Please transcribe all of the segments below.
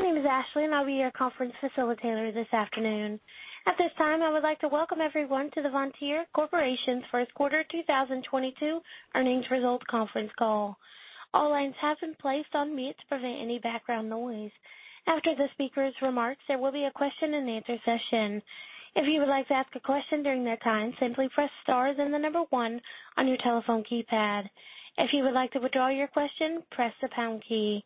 My name is Ashley, and I'll be your conference facilitator this afternoon. At this time, I would like to welcome everyone to the Vontier Corporation's first quarter 2022 earnings results conference call. All lines have been placed on mute to prevent any background noise. After the speaker's remarks, there will be a question-and-answer session. If you would like to ask a question during that time, simply press star, then the number one on your telephone keypad. If you would like to withdraw your question, press the pound key.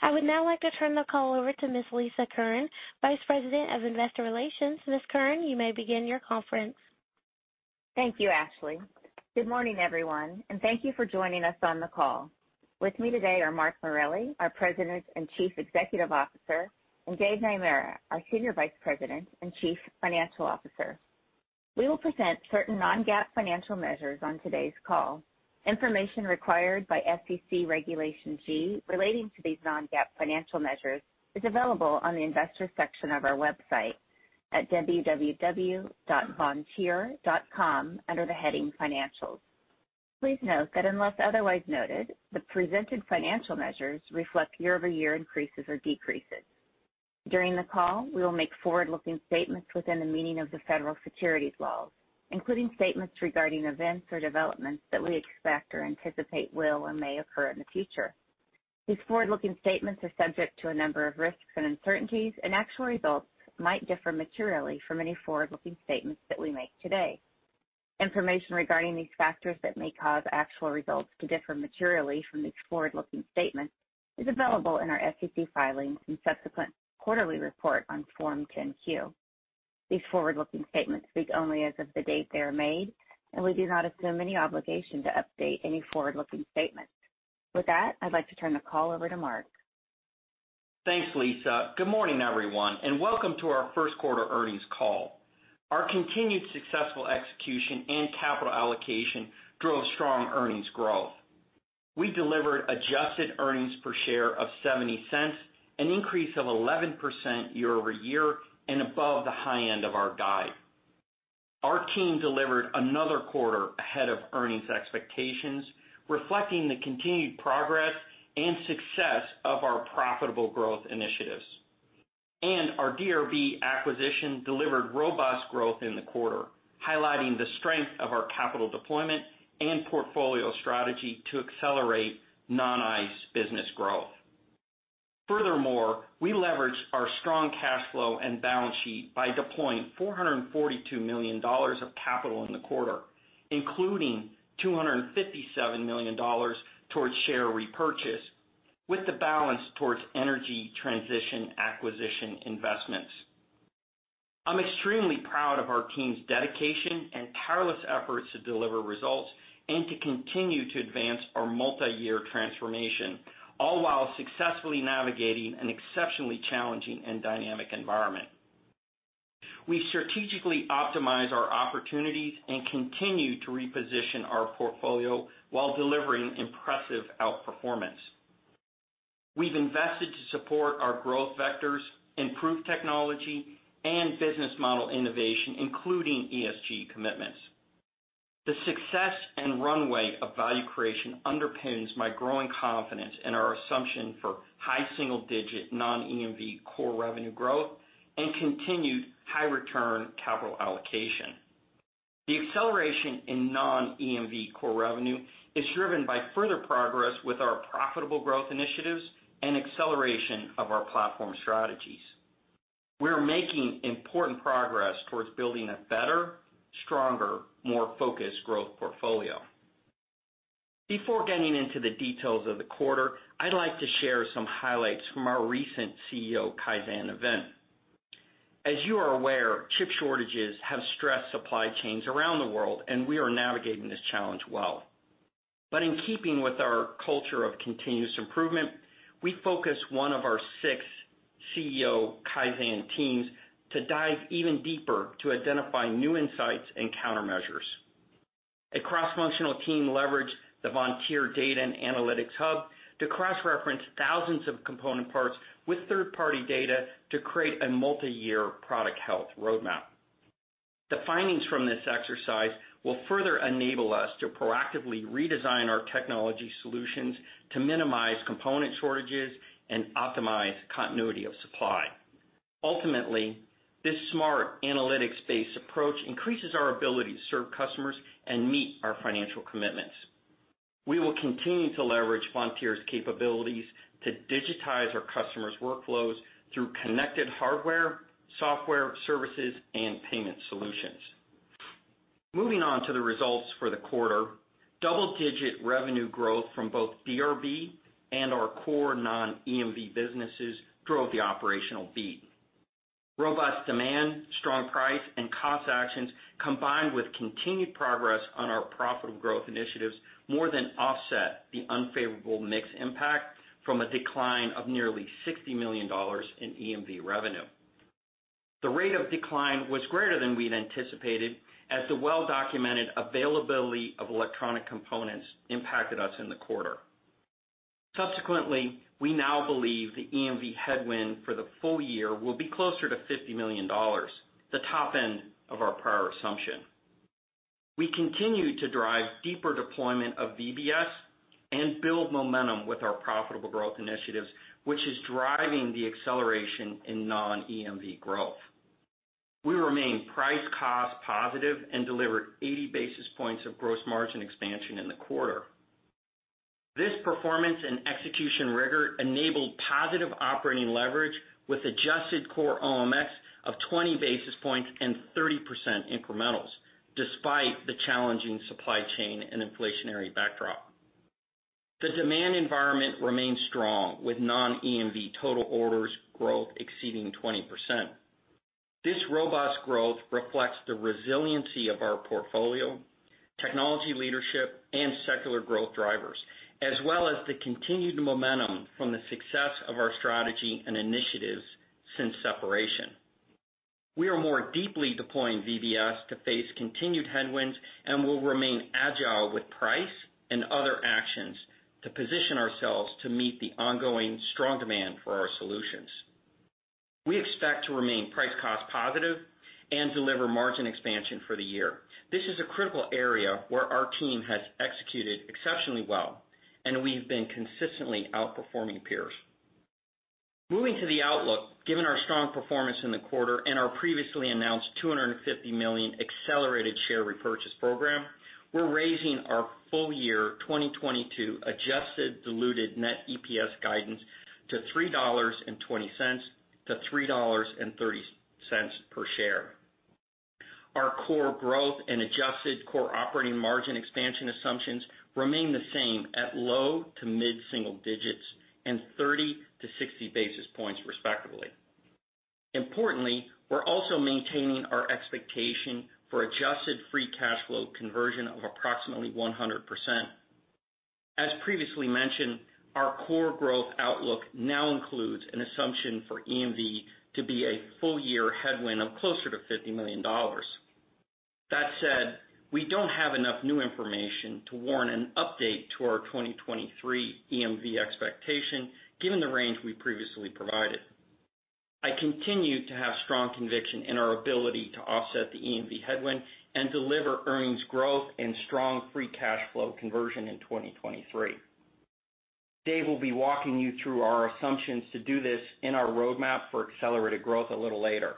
I would now like to turn the call over to Ms. Lisa Curran, Vice President of Investor Relations. Ms. Curran, you may begin your conference. Thank you, Ashley. Good morning, everyone, and thank you for joining us on the call. With me today are Mark Morelli, our President and Chief Executive Officer, and Dave Naemura, our Senior Vice President and Chief Financial Officer. We will present certain non-GAAP financial measures on today's call. Information required by SEC Regulation G relating to these non-GAAP financial measures is available on the investor section of our website at www.vontier.com under the heading Financials. Please note that unless otherwise noted, the presented financial measures reflect year-over-year increases or decreases. During the call, we will make forward-looking statements within the meaning of the federal securities laws, including statements regarding events or developments that we expect or anticipate will and may occur in the future. These forward-looking statements are subject to a number of risks and uncertainties, and actual results might differ materially from any forward-looking statements that we make today. Information regarding these factors that may cause actual results to differ materially from these forward-looking statements is available in our SEC filings and subsequent quarterly report on Form 10-Q. These forward-looking statements speak only as of the date they are made, and we do not assume any obligation to update any forward-looking statements. With that, I'd like to turn the call over to Mark. Thanks, Lisa. Good morning, everyone, and welcome to our first quarter earnings call. Our continued successful execution and capital allocation drove strong earnings growth. We delivered adjusted earnings per share of $0.70, an increase of 11% year-over-year and above the high end of our guide. Our team delivered another quarter ahead of earnings expectations, reflecting the continued progress and success of our profitable growth initiatives. Our DRB acquisition delivered robust growth in the quarter, highlighting the strength of our capital deployment and portfolio strategy to accelerate non-ICE business growth. Furthermore, we leveraged our strong cash flow and balance sheet by deploying $442 million of capital in the quarter, including $257 million towards share repurchase with the balance towards energy transition acquisition investments. I'm extremely proud of our team's dedication and tireless efforts to deliver results and to continue to advance our multi-year transformation, all while successfully navigating an exceptionally challenging and dynamic environment. We strategically optimize our opportunities and continue to reposition our portfolio while delivering impressive outperformance. We've invested to support our growth vectors, improve technology and business model innovation, including ESG commitments. The success and runway of value creation underpins my growing confidence in our assumption for high single digit non-EMV core revenue growth and continued high return capital allocation. The acceleration in non-EMV core revenue is driven by further progress with our profitable growth initiatives and acceleration of our platform strategies. We are making important progress towards building a better, stronger, more focused growth portfolio. Before getting into the details of the quarter, I'd like to share some highlights from our recent CEO Kaizen Event. As you are aware, chip shortages have stressed supply chains around the world, and we are navigating this challenge well. In keeping with our culture of continuous improvement, we focus one of our six CEO Kaizen teams to dive even deeper to identify new insights and countermeasures. A cross-functional team leveraged the Vontier data and analytics hub to cross-reference thousands of component parts with third-party data to create a multi-year product health roadmap. The findings from this exercise will further enable us to proactively redesign our technology solutions to minimize component shortages and optimize continuity of supply. Ultimately, this smart analytics-based approach increases our ability to serve customers and meet our financial commitments. We will continue to leverage Vontier's capabilities to digitize our customers' workflows through connected hardware, software, services, and payment solutions. Moving on to the results for the quarter, double-digit revenue growth from both DRB and our core non-EMV businesses drove the operational beat. Robust demand, strong price, and cost actions, combined with continued progress on our profitable growth initiatives, more than offset the unfavorable mix impact from a decline of nearly $60 million in EMV revenue. The rate of decline was greater than we'd anticipated as the well-documented availability of electronic components impacted us in the quarter. Subsequently, we now believe the EMV headwind for the full year will be closer to $50 million, the top end of our prior assumption. We continue to drive deeper deployment of VBS and build momentum with our profitable growth initiatives, which is driving the acceleration in non-EMV growth. We remain price cost positive and delivered 80 basis points of gross margin expansion in the quarter. This performance and execution rigor enabled positive operating leverage with adjusted core OMX of 20 basis points and 30% incrementals, despite the challenging supply chain and inflationary backdrop. The demand environment remains strong, with non-EMV total orders growth exceeding 20%. This robust growth reflects the resiliency of our portfolio, technology leadership, and secular growth drivers, as well as the continued momentum from the success of our strategy and initiatives since separation. We are more deeply deploying VBS to face continued headwinds, and we'll remain agile with price and other actions to position ourselves to meet the ongoing strong demand for our solutions. We expect to remain price cost positive and deliver margin expansion for the year. This is a critical area where our team has executed exceptionally well, and we've been consistently outperforming peers. Moving to the outlook, given our strong performance in the quarter and our previously announced $250 million accelerated share repurchase program, we're raising our full year 2022 adjusted diluted net EPS guidance to $3.20-$3.30 per share. Our core growth and adjusted core operating margin expansion assumptions remain the same at low- to mid-single-digits and 30-60 basis points, respectively. Importantly, we're also maintaining our expectation for adjusted free cash flow conversion of approximately 100%. As previously mentioned, our core growth outlook now includes an assumption for EMV to be a full year headwind of closer to $50 million. That said, we don't have enough new information to warrant an update to our 2023 EMV expectation, given the range we previously provided. I continue to have strong conviction in our ability to offset the EMV headwind and deliver earnings growth and strong free cash flow conversion in 2023. Dave will be walking you through our assumptions to do this in our roadmap for accelerated growth a little later.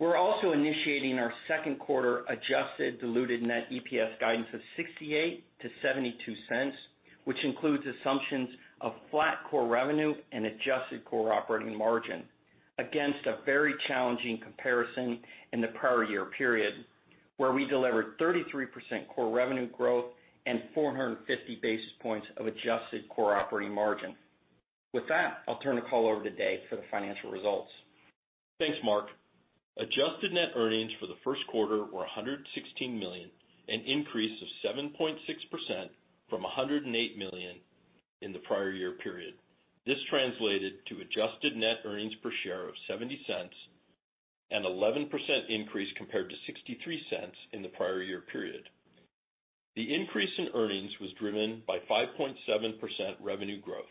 We're also initiating our second quarter adjusted diluted net EPS guidance of $0.68-$0.72, which includes assumptions of flat core revenue and adjusted core operating margin against a very challenging comparison in the prior year period, where we delivered 33% core revenue growth and 450 basis points of adjusted core operating margin. With that, I'll turn the call over to Dave for the financial results. Thanks, Mark. Adjusted net earnings for the first quarter were $116 million, an increase of 7.6% from $108 million in the prior year period. This translated to adjusted net earnings per share of $0.70 and 11% increase compared to $0.63 in the prior year period. The increase in earnings was driven by 5.7% revenue growth.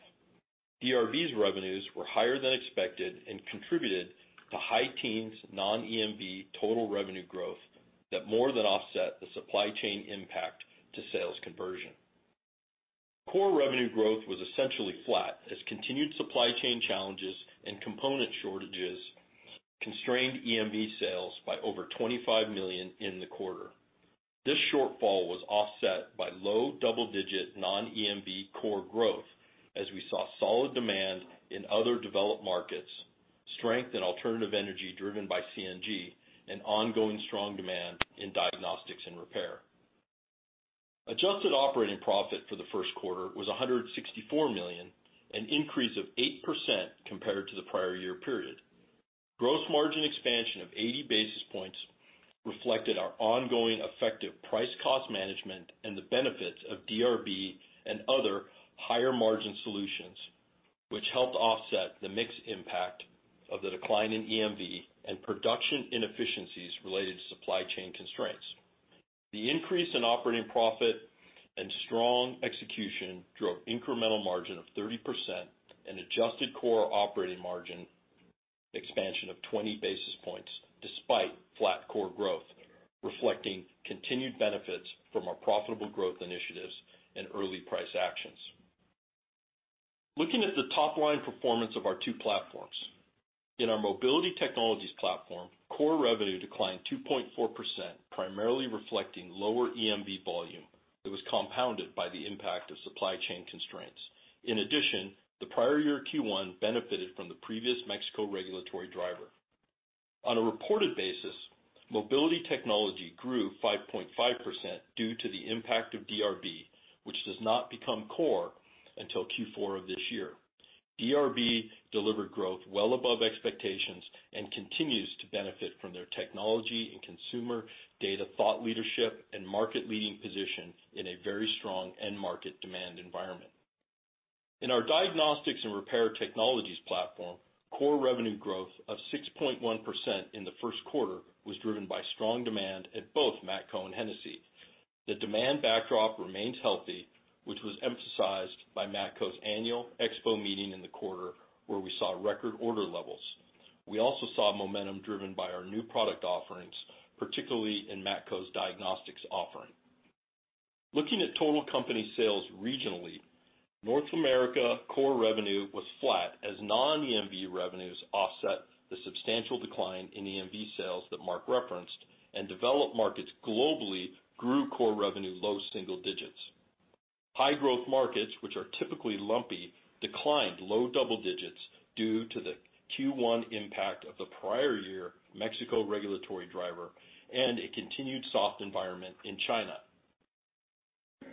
DRB's revenues were higher than expected and contributed to high teens non-EMV total revenue growth that more than offset the supply chain impact to sales conversion. Core revenue growth was essentially flat as continued supply chain challenges and component shortages constrained EMV sales by over $25 million in the quarter. This shortfall was offset by low double-digit non-EMV core growth as we saw solid demand in other developed markets, strength in alternative energy driven by CNG, and ongoing strong demand in diagnostics and repair. Adjusted operating profit for the first quarter was $164 million, an increase of 8% compared to the prior year period. Gross margin expansion of 80 basis points reflected our ongoing effective price cost management and the benefits of DRB and other higher margin solutions, which helped offset the mix impact of the decline in EMV and production inefficiencies related to supply chain constraints. The increase in operating profit and strong execution drove incremental margin of 30% and adjusted core operating margin expansion of 20 basis points despite flat core growth, reflecting continued benefits from our profitable growth initiatives and early price actions. Looking at the top line performance of our two platforms. In our Mobility Technologies platform, core revenue declined 2.4%, primarily reflecting lower EMV volume that was compounded by the impact of supply chain constraints. In addition, the prior year Q1 benefited from the previous Mexico regulatory driver. On a reported basis, Mobility Technologies grew 5.5% due to the impact of DRB, which does not become core until Q4 of this year. DRB delivered growth well above expectations and continues to benefit from their technology and consumer data thought leadership and market-leading position in a very strong end market demand environment. In our Diagnostics and Repair Technologies platform, core revenue growth of 6.1% in the first quarter was driven by strong demand at both Matco and Hennessy. The demand backdrop remains healthy, which was emphasized by Matco's annual expo meeting in the quarter where we saw record order levels. We also saw momentum driven by our new product offerings, particularly in Matco's diagnostics offering. Looking at total company sales regionally, North America core revenue was flat as non-EMV revenues offset the substantial decline in EMV sales that Mark referenced, and developed markets globally grew core revenue low single-digits. High growth markets, which are typically lumpy, declined low double-digits due to the Q1 impact of the prior year Mexico regulatory driver and a continued soft environment in China.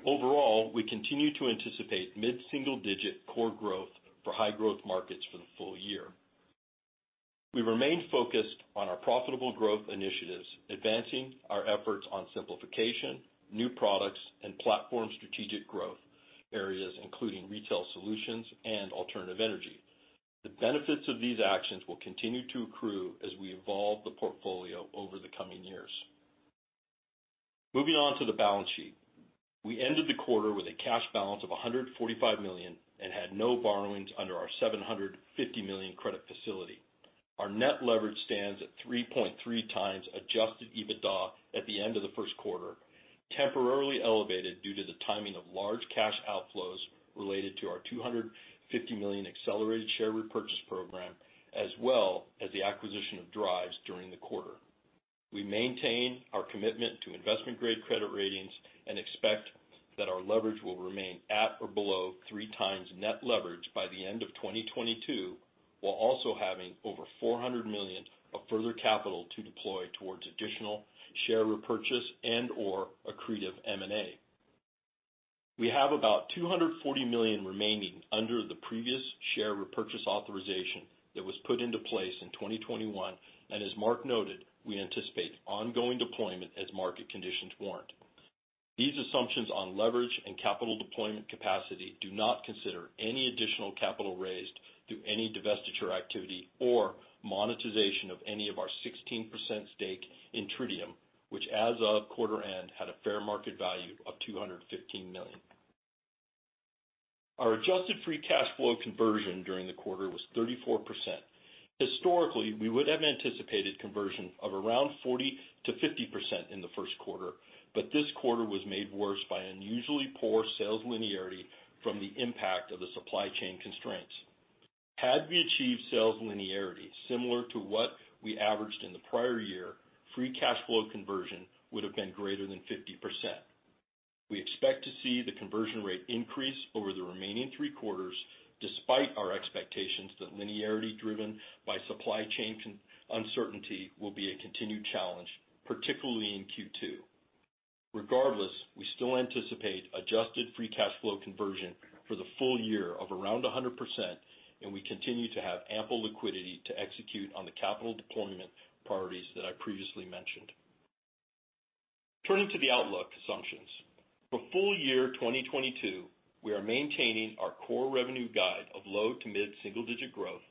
Overall, we continue to anticipate mid-single-digit core growth for high growth markets for the full year. We remain focused on our profitable growth initiatives, advancing our efforts on simplification, new products, and platform strategic growth areas, including retail solutions and alternative energy. The benefits of these actions will continue to accrue as we evolve the portfolio over the coming years. Moving on to the balance sheet. We ended the quarter with a cash balance of $145 million and had no borrowings under our $750 million credit facility. Our net leverage stands at 3.3x adjusted EBITDA at the end of the first quarter, temporarily elevated due to the timing of large cash outflows related to our $250 million accelerated share repurchase program, as well as the acquisition of Driivz during the quarter. We maintain our commitment to investment-grade credit ratings and expect that our leverage will remain at or below 3x net leverage by the end of 2022, while also having over $400 million of further capital to deploy towards additional share repurchase and/or accretive M&A. We have about $240 million remaining under the previous share repurchase authorization that was put into place in 2021. As Mark noted, we anticipate ongoing deployment as market conditions warrant. These assumptions on leverage and capital deployment capacity do not consider any additional capital raised through any divestiture activity or monetization of any of our 16% stake in Tridium, which as of quarter end, had a fair market value of $215 million. Our adjusted free cash flow conversion during the quarter was 34%. Historically, we would have anticipated conversion of around 40%-50% in the first quarter, but this quarter was made worse by unusually poor sales linearity from the impact of the supply chain constraints. Had we achieved sales linearity similar to what we averaged in the prior year, free cash flow conversion would have been greater than 50%. We expect to see the conversion rate increase over the remaining three quarters, despite our expectations that linearity driven by supply chain uncertainty will be a continued challenge, particularly in Q2. Regardless, we still anticipate adjusted free cash flow conversion for the full year of around 100%, and we continue to have ample liquidity to execute on the capital deployment priorities that I previously mentioned. Turning to the outlook assumptions. For full year 2022, we are maintaining our core revenue guide of low- to mid-single-digit growth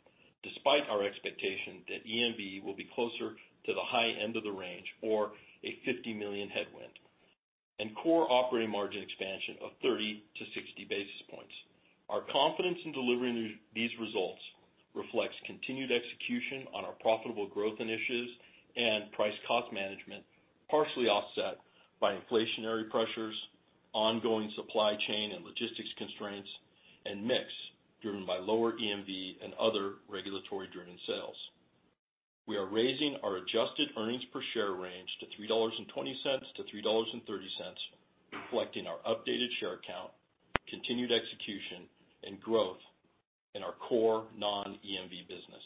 despite our expectation that EMV will be closer to the high end of the range or a $50 million headwind, and core operating margin expansion of 30-60 basis points. Our confidence in delivering these results reflects continued execution on our profitable growth initiatives and price cost management, partially offset by inflationary pressures, ongoing supply chain and logistics constraints, and mix driven by lower EMV and other regulatory-driven sales. We are raising our adjusted earnings per share range to $3.20-$3.30, reflecting our updated share count, continued execution, and growth in our core non-EMV business.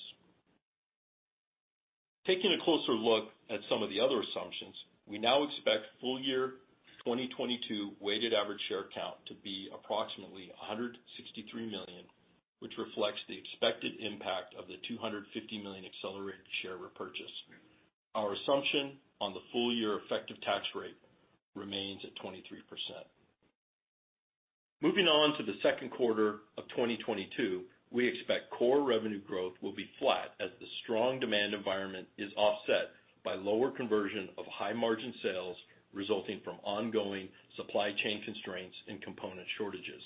Taking a closer look at some of the other assumptions, we now expect full year 2022 weighted average share count to be approximately 163 million, which reflects the expected impact of the $250 million accelerated share repurchase. Our assumption on the full year effective tax rate remains at 23%. Moving on to the second quarter of 2022. We expect core revenue growth will be flat as the strong demand environment is offset by lower conversion of high-margin sales resulting from ongoing supply chain constraints and component shortages.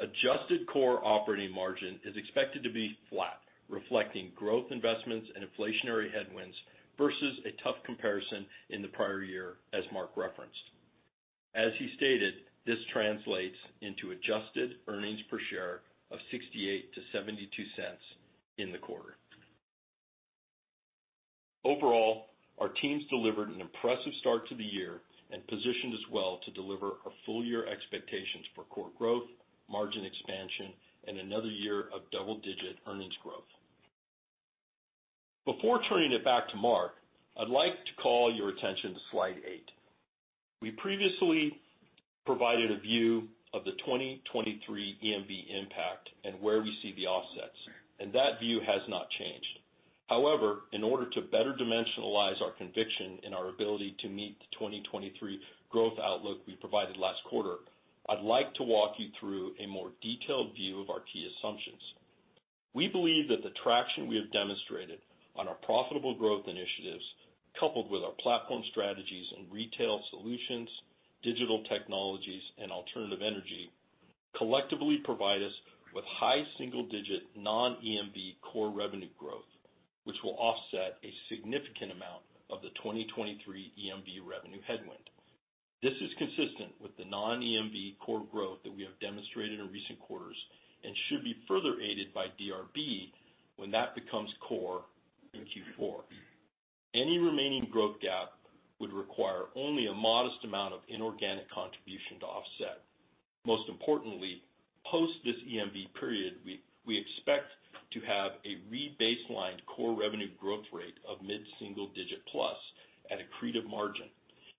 Adjusted core operating margin is expected to be flat, reflecting growth investments and inflationary headwinds versus a tough comparison in the prior year, as Mark referenced. As he stated, this translates into adjusted earnings per share of $0.68-$0.72 in the quarter. Overall, our teams delivered an impressive start to the year and positioned us well to deliver our full year expectations for core growth, margin expansion, and another year of double-digit earnings growth. Before turning it back to Mark, I'd like to call your attention to slide eight. We previously provided a view of the 2023 EMV impact and where we see the offsets, and that view has not changed. However, in order to better dimensionalize our conviction in our ability to meet the 2023 growth outlook we provided last quarter, I'd like to walk you through a more detailed view of our key assumptions. We believe that the traction we have demonstrated on our profitable growth initiatives, coupled with our platform strategies in retail solutions, digital technologies, and alternative energy, collectively provide us with high single-digit non-EMV core revenue growth, which will offset a significant amount of the 2023 EMV revenue headwind. This is consistent with the non-EMV core growth that we have demonstrated in recent quarters and should be further aided by DRB when that becomes core in Q4. Any remaining growth gap would require only a modest amount of inorganic contribution to offset. Most importantly, post this EMV period, we expect to have a re-baselined core revenue growth rate of mid-single digit plus at accretive margin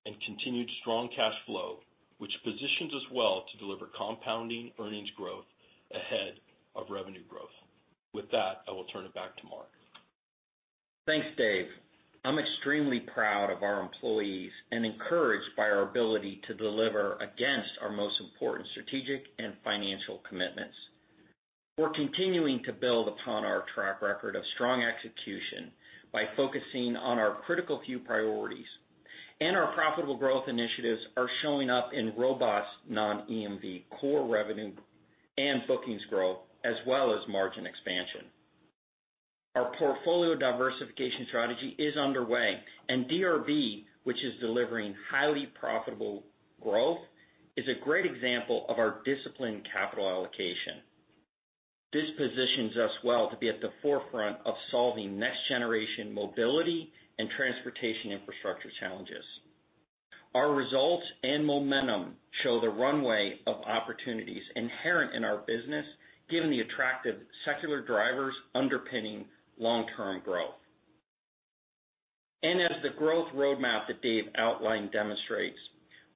and continued strong cash flow, which positions us well to deliver compounding earnings growth ahead of revenue growth. With that, I will turn it back to Mark. Thanks, Dave. I'm extremely proud of our employees and encouraged by our ability to deliver against our most important strategic and financial commitments. We're continuing to build upon our track record of strong execution by focusing on our critical few priorities, and our profitable growth initiatives are showing up in robust non-EMV core revenue and bookings growth as well as margin expansion. Our portfolio diversification strategy is underway, and DRB, which is delivering highly profitable growth, is a great example of our disciplined capital allocation. This positions us well to be at the forefront of solving next-generation mobility and transportation infrastructure challenges. Our results and momentum show the runway of opportunities inherent in our business, given the attractive secular drivers underpinning long-term growth. As the growth roadmap that Dave outlined demonstrates,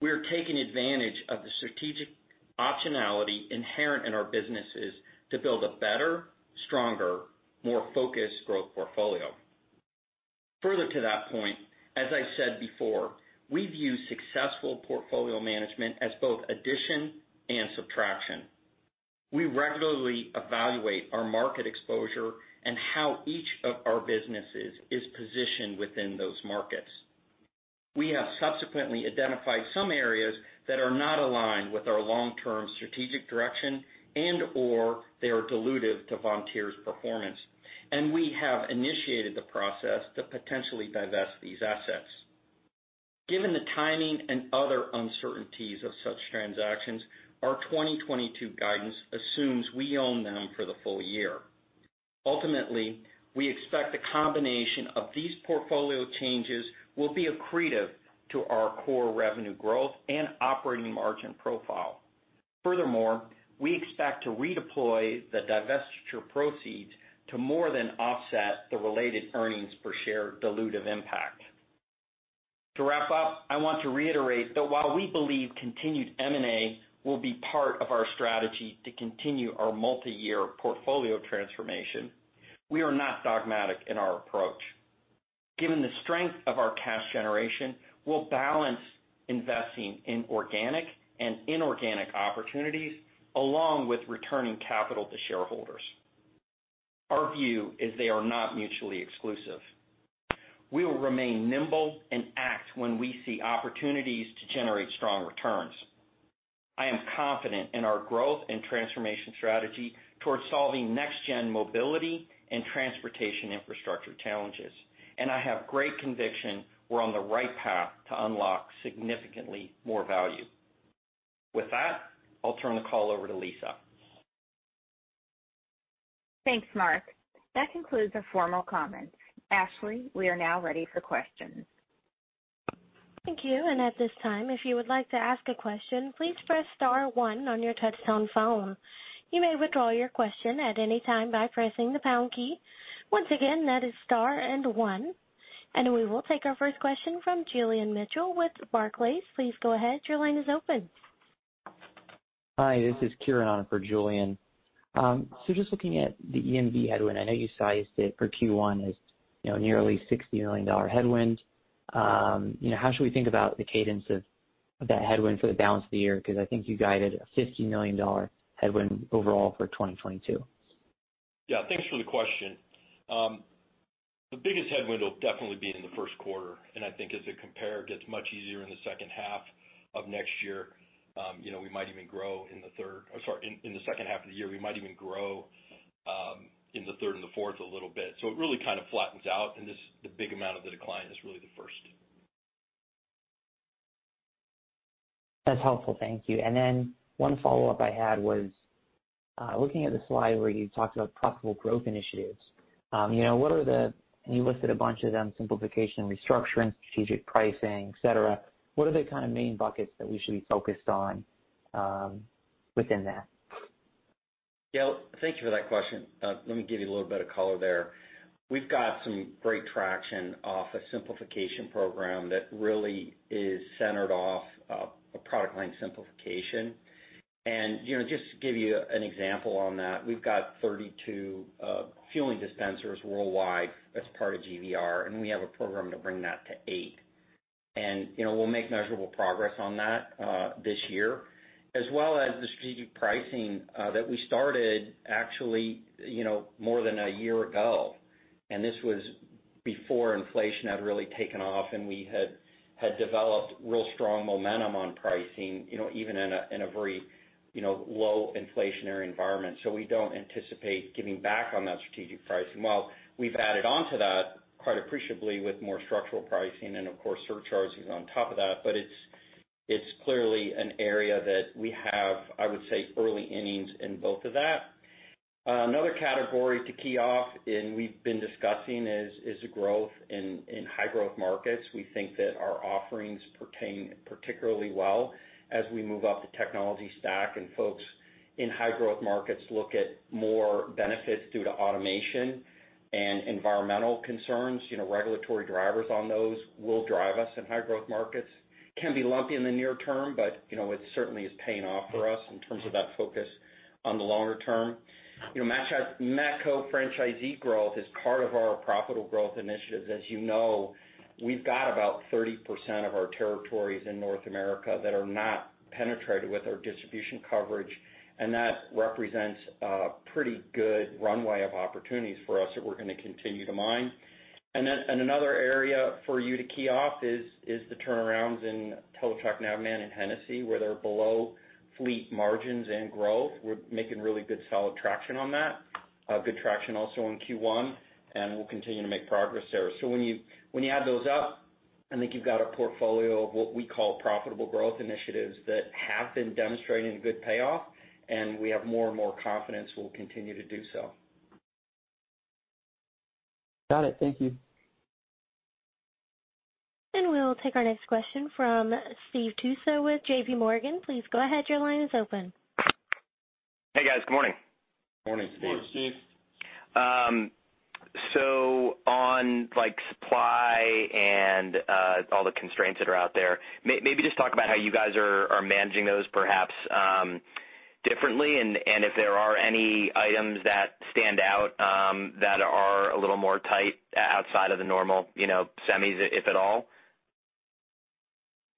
we are taking advantage of the strategic optionality inherent in our businesses to build a better, stronger, more focused growth portfolio. Further to that point, as I said before, we view successful portfolio management as both addition and subtraction. We regularly evaluate our market exposure and how each of our businesses is positioned within those markets. We have subsequently identified some areas that are not aligned with our long-term strategic direction and/or they are dilutive to Vontier's performance, and we have initiated the process to potentially divest these assets. Given the timing and other uncertainties of such transactions, our 2022 guidance assumes we own them for the full year. Ultimately, we expect the combination of these portfolio changes will be accretive to our core revenue growth and operating margin profile. Furthermore, we expect to redeploy the divestiture proceeds to more than offset the related earnings per share dilutive impact. To wrap up, I want to reiterate that while we believe continued M&A will be part of our strategy to continue our multiyear portfolio transformation, we are not dogmatic in our approach. Given the strength of our cash generation, we'll balance investing in organic and inorganic opportunities along with returning capital to shareholders. Our view is they are not mutually exclusive. We will remain nimble and act when we see opportunities to generate strong returns. I am confident in our growth and transformation strategy towards solving next-gen mobility and transportation infrastructure challenges, and I have great conviction we're on the right path to unlock significantly more value. With that, I'll turn the call over to Lisa. Thanks, Mark. That concludes the formal comments. Ashley, we are now ready for questions. Thank you. At this time, if you would like to ask a question, please press star one on your touch-tone phone. You may withdraw your question at any time by pressing the pound key. Once again, that is star and one. We will take our first question from Julian Mitchell with Barclays. Please go ahead. Your line is open. Hi, this is Kiran Patel-O'Connor on for Julian. Just looking at the EMV headwind, I know you sized it for Q1 as nearly $60 million headwind. How should we think about the cadence of that headwind for the balance of the year? Because I think you guided a $50 million headwind overall for 2022. Yeah, thanks for the question. The biggest headwind will definitely be in the first quarter. I think as the compare gets much easier in the second half of next year we might even grow in the second half of the year in the third and the fourth a little bit. It really kind of flattens out, and this, the big amount of the decline is really the first. That's helpful. Thank you. One follow-up I had was looking at the slide where you talked about profitable growth initiatives, you listed a bunch of them, simplification, restructuring, strategic pricing, et cetera. What are the kind of main buckets that we should be focused on within that? Yeah. Thank you for that question. Let me give you a little bit of color there. We've got some great traction off a simplification program that really is centered off of product line simplification. Just to give you an example on that, we've got 32 fueling dispensers worldwide as part of GVR, and we have a program to bring that to eight. We'll make measurable progress on that this year, as well as the strategic pricing that we started actually more than a year ago. This was before inflation had really taken off, and we had developed real strong momentum on pricing even in a very low inflationary environment. We don't anticipate giving back on that strategic pricing. While we've added on to that quite appreciably with more structural pricing and of course surcharges on top of that, but it's clearly an area that we have, I would say, early innings in both of that. Another category to key off, and we've been discussing, is the growth in high growth markets. We think that our offerings pertain particularly well as we move up the technology stack and folks in high growth markets look at more benefits due to automation and environmental concerns. Regulatory drivers on those will drive us in high growth markets. Can be lumpy in the near term, but it certainly is paying off for us in terms of that focus on the longer term. Matco franchisee growth is part of our profitable growth initiatives. As you know, we've got about 30% of our territories in North America that are not penetrated with our distribution coverage, and that represents a pretty good runway of opportunities for us that we're gonna continue to mine. Another area for you to key off is the turnarounds in Teletrac Navman and Hennessy, where they're below fleet margins and growth. We're making really good, solid traction on that. Good traction also in Q1, and we'll continue to make progress there. When you add those up, I think you've got a portfolio of what we call profitable growth initiatives that have been demonstrating good payoff, and we have more and more confidence we'll continue to do so. Got it. Thank you. We'll take our next question from Steve Tusa with J.P. Morgan. Please go ahead, your line is open. Hey, guys. Good morning. Morning, Steve. Morning, Steve. On like supply and all the constraints that are out there, maybe just talk about how you guys are managing those perhaps differently and if there are any items that stand out that are a little more tight outside of the normal, semis, if at all?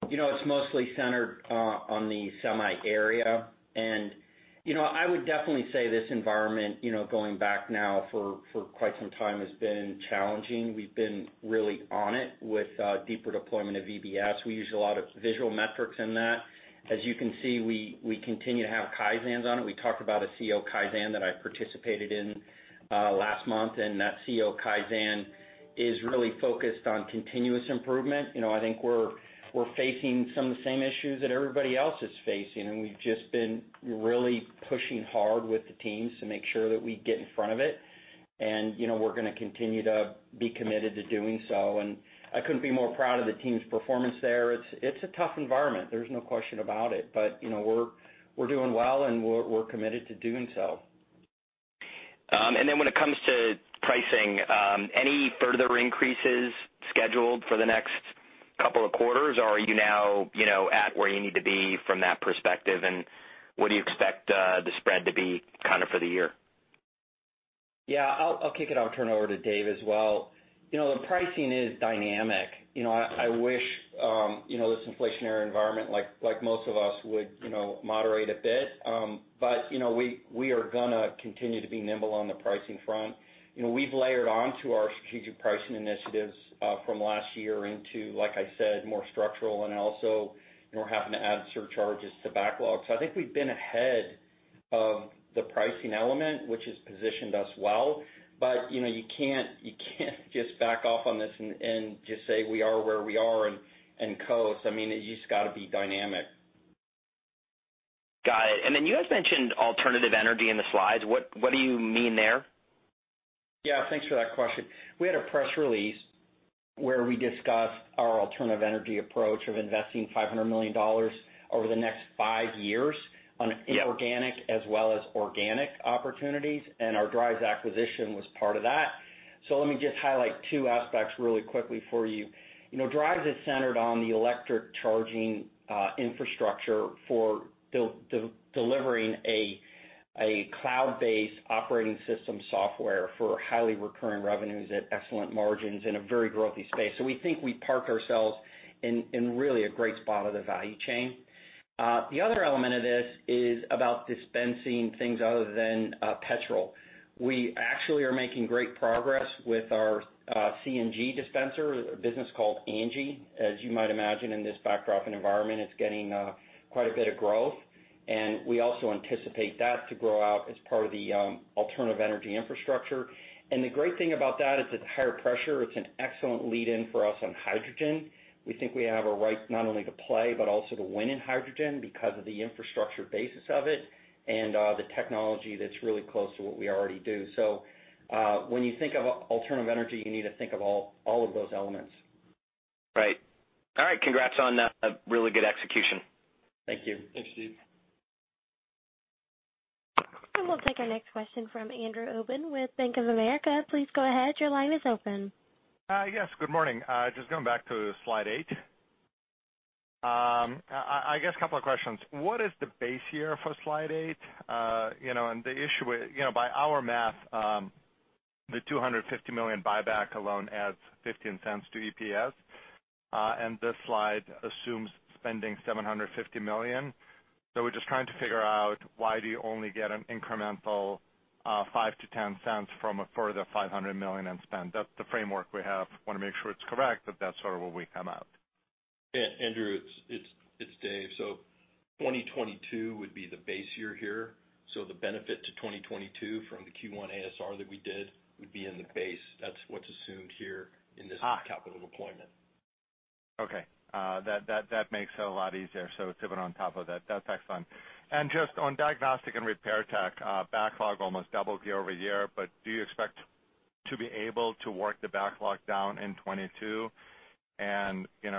It's mostly centered on the semi area. I would definitely say this environment, going back now for quite some time has been challenging. We've been really on it with deeper deployment of VBS. We use a lot of visual metrics in that. As you can see, we continue to have Kaizens on it. We talked about a CEO Kaizen that I participated in last month, and that CEO Kaizen is really focused on continuous improvement. I think we're facing some of the same issues that everybody else is facing, and we've just been really pushing hard with the teams to make sure that we get in front of it. We're gonna continue to be committed to doing so. I couldn't be more proud of the team's performance there. It's a tough environment, there's no question about it. We're doing well, and we're committed to doing so. When it comes to pricing, any further increases scheduled for the next couple of quarters? Or are you now at where you need to be from that perspective? What do you expect, the spread to be kind of for the year? Yeah. I'll kick it off, turn it over to Dave as well. The pricing is dynamic. I wish this inflationary environment, like most of us, would moderate a bit. We are gonna continue to be nimble on the pricing front. We've layered on to our strategic pricing initiatives from last year into, like I said, more structural and also, having to add surcharges to backlogs. I think we've been ahead of the pricing element, which has positioned us well. You can't just back off on this and just say we are where we are and coast. I mean, it's just gotta be dynamic. Got it. You guys mentioned alternative energy in the slides. What do you mean there? Yeah, thanks for that question. We had a press release where we discussed our alternative energy approach of investing $500 million over the next five years on inorganic as well as organic opportunities, and our Driivz acquisition was part of that. Let me just highlight two aspects really quickly for you. Driivz is centered on the electric charging infrastructure for delivering a cloud-based operating system software for highly recurring revenues at excellent margins in a very growthy space. We think we parked ourselves in really a great spot of the value chain. The other element of this is about dispensing things other than petrol. We actually are making great progress with our CNG dispenser, a business called ANGI. As you might imagine, in this backdrop and environment, it's getting quite a bit of growth. We also anticipate that to grow out as part of the alternative energy infrastructure. The great thing about that is it's higher pressure. It's an excellent lead in for us on hydrogen. We think we have a right not only to play, but also to win in hydrogen because of the infrastructure basis of it and the technology that's really close to what we already do. When you think of alternative energy, you need to think of all of those elements. Right. All right, congrats on a really good execution. Thank you. Thanks, Steve. We'll take our next question from Andrew Obin with Bank of America. Please go ahead, your line is open. Yes, good morning. Just going back to slide eight, I guess couple of questions. What is the base year for slide eight? By our math, the $250 million buyback alone adds $0.15 to EPS, and this slide assumes spending $750 million. We're just trying to figure out why do you only get an incremental $0.05-$0.10 from a further $500 million in spend. That's the framework we have. Wanna make sure it's correct, but that's sort of where we come out. Yeah, Andrew, it's Dave. 2022 would be the base year here. The benefit to 2022 from the Q1 ASR that we did would be in the base. That's what's assumed here in this. Ah. Capital deployment. Okay, that makes it a lot easier. Tipping on top of that. That's excellent. Just on diagnostic and repair tech, backlog almost doubled year-over-year, but do you expect to be able to work the backlog down in 2022?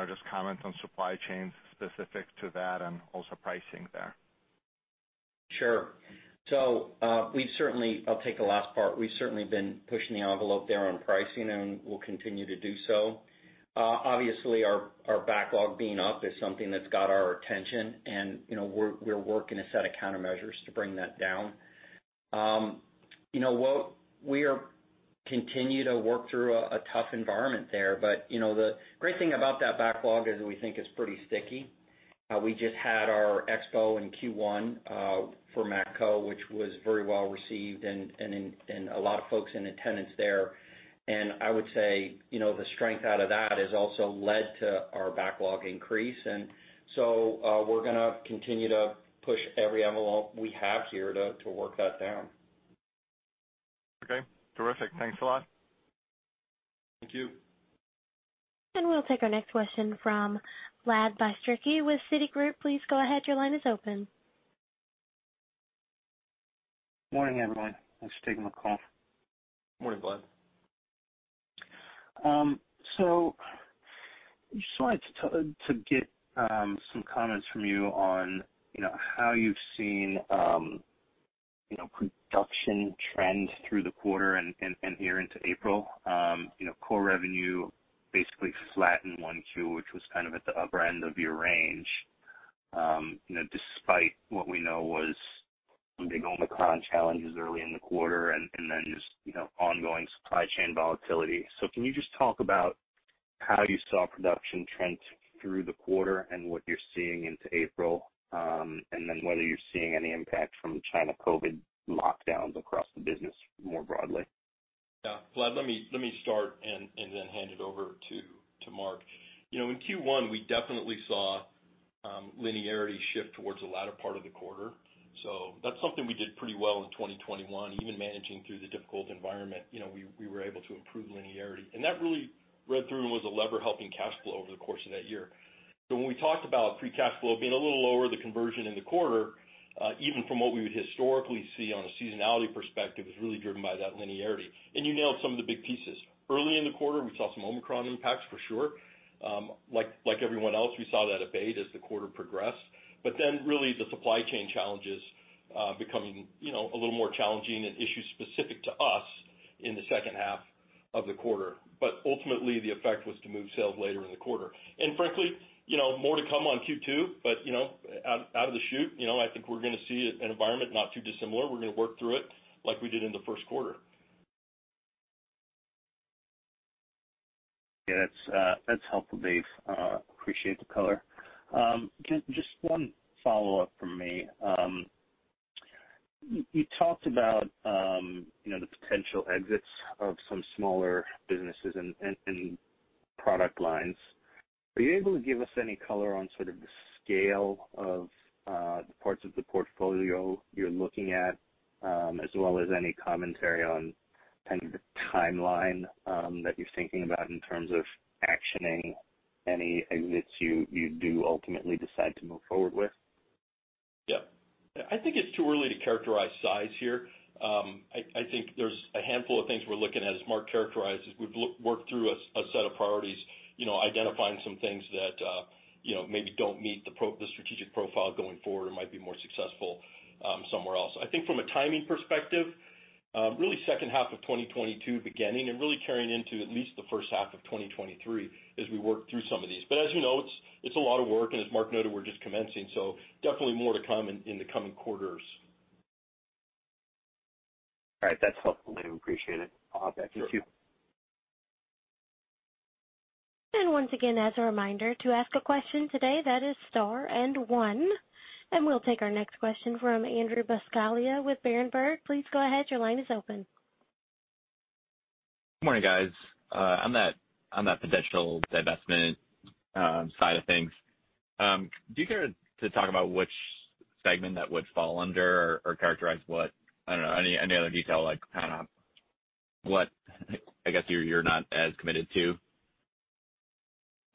Just comment on supply chains specific to that and also pricing there. Sure. I'll take the last part. We've certainly been pushing the envelope there on pricing, and we'll continue to do so. Obviously our backlog being up is something that's got our attention and we're working a set of countermeasures to bring that down. We continue to work through a tough environment there, but the great thing about that backlog is we think it's pretty sticky. We just had our expo in Q1 for Matco, which was very well received and a lot of folks in attendance there. I would say the strength out of that has also led to our backlog increase. We're gonna continue to push every envelope we have here to work that down. Okay. Terrific. Thanks a lot. Thank you. We'll take our next question from Vlad Bystricky with Citigroup. Please go ahead. Your line is open. Morning, everyone. Thanks for taking my call. Morning, Vlad. Just wanted to get some comments from you on how you've seen production trend through the quarter and here into April. Core revenue basically flat in 1Q, which was kind of at the upper end of your range, despite what we know was some big Omicron challenges early in the quarter and then just ongoing supply chain volatility. Can you just talk about how you saw production trend through the quarter and what you're seeing into April, and then whether you're seeing any impact from China COVID lockdowns across the business more broadly? Yeah. Vlad, let me start and then hand it over to Mark. In Q1, we definitely saw linearity shift towards the latter part of the quarter. That's something we did pretty well in 2021. Even managing through the difficult environment, we were able to improve linearity. That really read through and was a lever helping cash flow over the course of that year. When we talked about free cash flow being a little lower, the conversion in the quarter, even from what we would historically see on a seasonality perspective, is really driven by that linearity. You nailed some of the big pieces. Early in the quarter, we saw some Omicron impacts for sure. Like everyone else, we saw that abate as the quarter progressed. Really the supply chain challenges becoming a little more challenging and issues specific to us in the second half of the quarter. Ultimately, the effect was to move sales later in the quarter. Frankly, more to come on Q2, but out of the chute, I think we're gonna see an environment not too dissimilar. We're gonna work through it like we did in the first quarter. Yeah, that's helpful, Dave. Appreciate the color. Just one follow-up from me. You talked about the potential exits of some smaller businesses and product lines. Are you able to give us any color on sort of the scale of the parts of the portfolio you're looking at, as well as any commentary on kind of the timeline that you're thinking about in terms of actioning any exits you do ultimately decide to move forward with? Yeah. I think it's too early to characterize size here. I think there's a handful of things we're looking at. As Mark characterized, as we've worked through a set of priorities, identifying some things that maybe don't meet the strategic profile going forward and might be more successful somewhere else. I think from a timing perspective, really second half of 2022 beginning and really carrying into at least the first half of 2023 as we work through some of these. As you know, it's a lot of work, and as Mark noted, we're just commencing, so definitely more to come in the coming quarters. All right. That's helpful, Dave. Appreciate it. I'll hop back to the queue. Sure. Once again, as a reminder, to ask a question today, that is star and one. We'll take our next question from Andrew Buscaglia with Berenberg. Please go ahead. Your line is open. Good morning, guys. On that potential divestment side of things, do you care to talk about which segment that would fall under or characterize what any other detail of what, I guess you're not as committed to?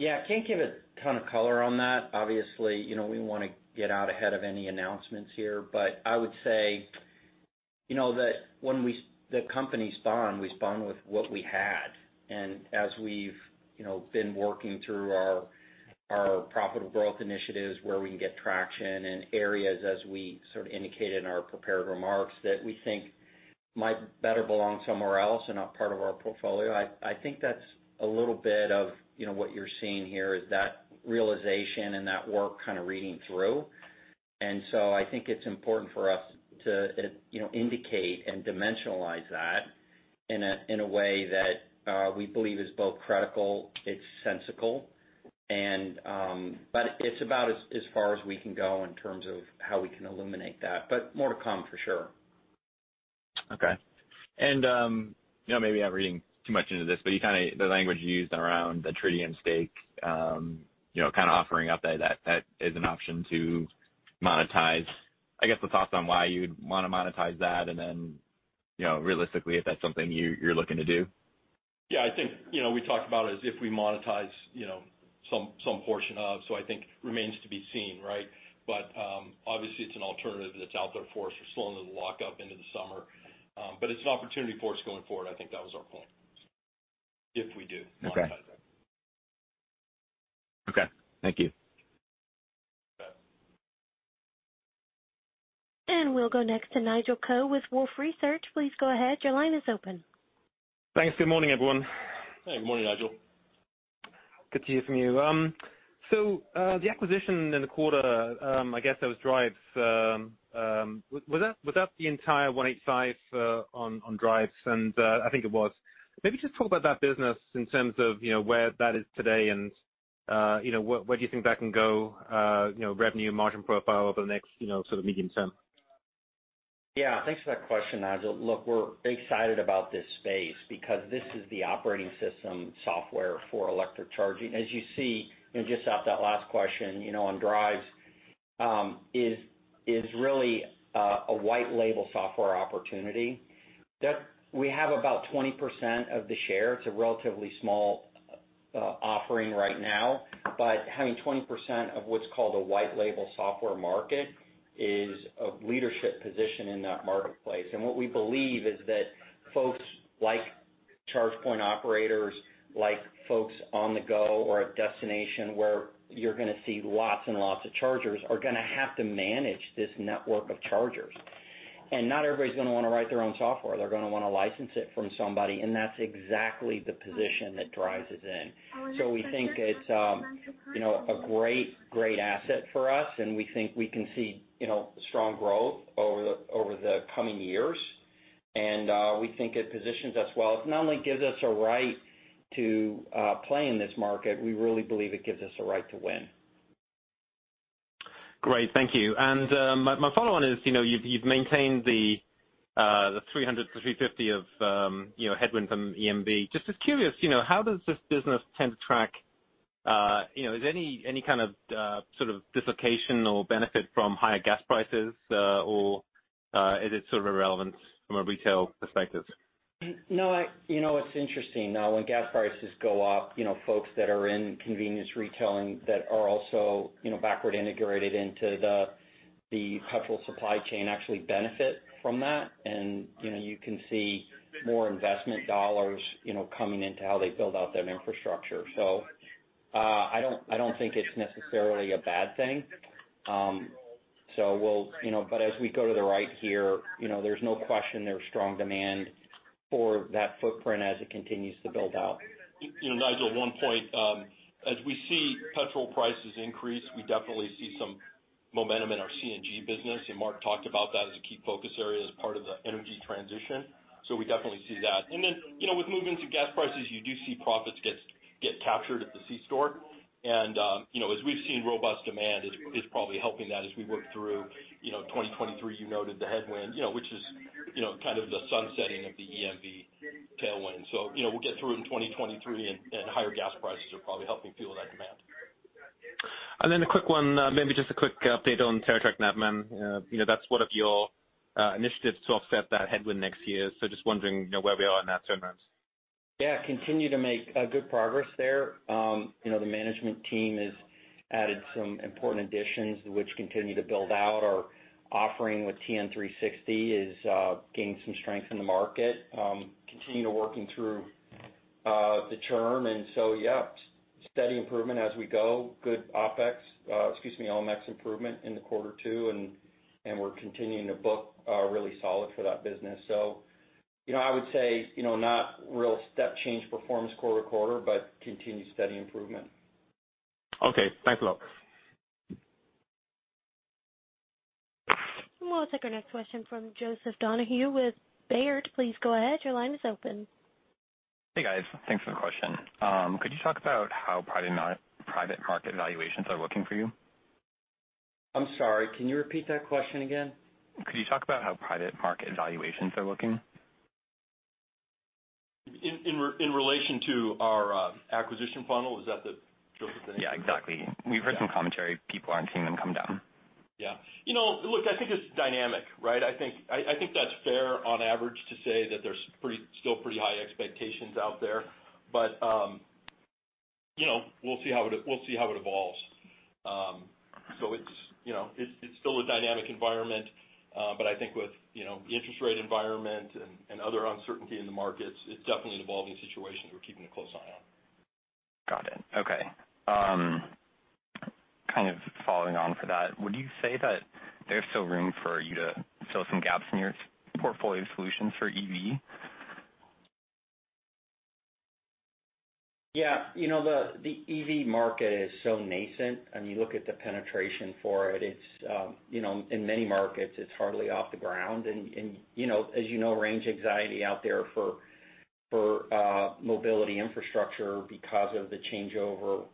Yeah. I can't give a ton of color on that. Obviously, we wanna get out ahead of any announcements here. I would say that the company spawned, we spawned with what we had. As we've been working through our profitable growth initiatives, where we can get traction and areas as we sort of indicated in our prepared remarks that we think might better belong somewhere else and not part of our portfolio. I think that's a little bit of what you're seeing here is that realization and that work kind of reading through. I think it's important for us to indicate and dimensionalize that in a way that we believe is both credible, it's sensical. It's about as far as we can go in terms of how we can illuminate that. More to come for sure. Okay. Maybe I'm reading too much into this, but the language you used around the Tridium stake, offering up that as an option to monetize. Any thoughts on why you'd wanna monetize that and then, realistically if that's something you're looking to do. Yeah, I think we talked about it as if we monetize some portion of. I think it remains to be seen, right? Obviously, it's an alternative that's out there for us. We're still under the lockup until the summer. It's an opportunity for us going forward, I think that was our point. Okay. Monetize that. Okay. Thank you. You bet. We'll go next to Nigel Coe with Wolfe Research. Please go ahead. Your line is open. Thanks. Good morning, everyone. Hey. Morning, Nigel. Good to hear from you. The acquisition in the quarter, I guess that was Driivz. Was that the entire $185 on Driivz? I think it was. Maybe just talk about that business in terms of where that is today and where do you think that can go, revenue margin profile over the next medium term? Yeah. Thanks for that question, Nigel. Look, we're excited about this space because this is the operating system software for electric charging. As you see in just off that last question on Driivz is really a white label software opportunity that we have about 20% of the share. It's a relatively small offering right now, but having 20% of what's called a white label software market is a leadership position in that marketplace. What we believe is that folks like charge point operators, like folks on the go or a destination where you're gonna have to manage this network of chargers. Not everybody's gonna wanna write their own software. They're gonna wanna license it from somebody, and that's exactly the position that Driivz is in. We think it's a great asset for us, and we think we can see strong growth over the coming years. We think it positions us well. It not only gives us a right to play in this market, we really believe it gives us a right to win. Great. Thank you. My follow-on is, you've maintained the 300-350 of headwind from EMV. Just was curious, how does this business tend to track? Is any kind of sort of dislocation or benefit from higher gas prices, or is it sort of irrelevant from a retail perspective? No, it's interesting. Now, when gas prices go up, folks that are in convenience retailing that are also backward integrated into the petrol supply chain actually benefit from that. You can see more investment dollars coming into how they build out their infrastructure. I don't think it's necessarily a bad thing. As we go to the right here, there's no question there's strong demand for that footprint as it continues to build out. Nigel, one point, as we see petrol prices increase, we definitely see some momentum in our CNG business, and Mark talked about that as a key focus area as part of the energy transition. We definitely see that. Then with movement to gas prices, you do see profits get captured at the C-store. As we've seen, robust demand is probably helping that as we work through 2023, you noted the headwind, which is kind of the sun setting of the EMV tailwind. We'll get through in 2023, and higher gas prices are probably helping fuel that demand. A quick one, maybe just a quick update on Teletrac Navman. That's one of your initiatives to offset that headwind next year. Just wondering where we are in that turnaround. Yeah, continue to make good progress there. The management team has added some important additions which continue to build out. Our offering with TN360 is gaining some strength in the market. Continue to working through the term. Yeah, steady improvement as we go. Good OpEx, excuse me, LMX improvement in the quarter too, and we're continuing to book really solid for that business. I would say not real step change performance quarter-to-quarter, but continued steady improvement. Okay. Thanks a lot. We'll take our next question from Joseph Donahue with Baird. Please go ahead. Your line is open. Hey, guys. Thanks for the question. Could you talk about how private market valuations are looking for you? I'm sorry, can you repeat that question again? Could you talk about how private market valuations are looking? In relation to our acquisition funnel? Is that the, Joseph, the- Yeah, exactly. Yeah. We've heard some commentary people aren't seeing them come down. Yeah. Look, I think it's dynamic, right? I think that's fair on average to say that there's still pretty high expectations out there. We'll see how it evolves. It's still a dynamic environment, but I think with the interest rate environment and other uncertainty in the markets, it's definitely an evolving situation we're keeping a close eye on. Got it. Okay. Kind of following on for that, would you say that there's still room for you to fill some gaps in your portfolio solutions for EV? Yeah. The EV market is so nascent, and you look at the penetration for it. It's in many markets it's hardly off the ground. As you know, range anxiety out there for mobility infrastructure because of the changeover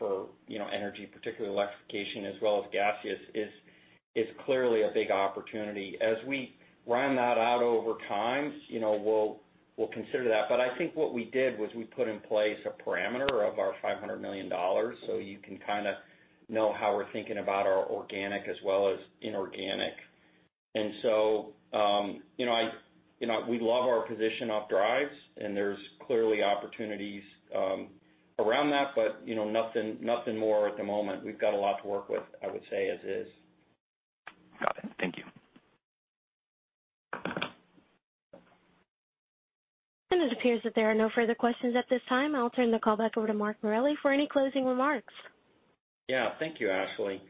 for energy, particularly electrification as well as gaseous, is clearly a big opportunity. As we round that out over time, we'll consider that. I think what we did was we put in place a parameter of our $500 million, so you can kinda know how we're thinking about our organic as well as inorganic. We love our position of Driivz, and there's clearly opportunities around that, but nothing more at the moment. We've got a lot to work with, I would say, as is. Got it. Thank you. It appears that there are no further questions at this time. I'll turn the call back over to Mark Morelli for any closing remarks. Yeah. Thank you, Ashley.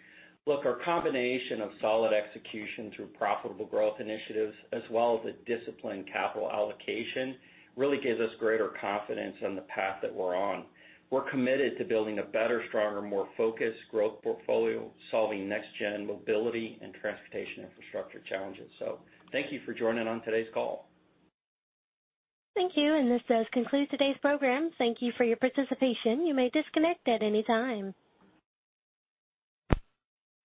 Look, our combination of solid execution through profitable growth initiatives as well as a disciplined capital allocation really gives us greater confidence in the path that we're on. We're committed to building a better, stronger, more focused growth portfolio, solving next gen mobility and transportation infrastructure challenges. Thank you for joining on today's call. Thank you. This does conclude today's program. Thank you for your participation. You may disconnect at any time.